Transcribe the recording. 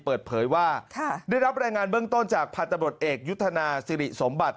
เปิดเผยว่าได้รับรายงานเบื้องต้นจากพันธบรดเอกยุทธนาสิริสมบัติ